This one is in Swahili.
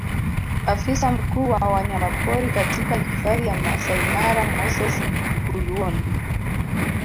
Afisa mkuu wa wanyamapori katika hifadhi ya Maasai Mara Moses Kuyuoni